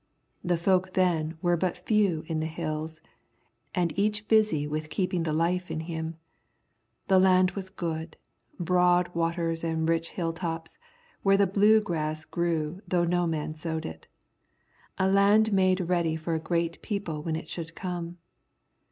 The folk then were but few in the Hills, and each busy with keeping the life in him. The land was good, broad waters and rich hill tops, where the blue grass grew though no man sowed it. A land made ready for a great people when it should come.